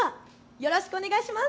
よろしくお願いします。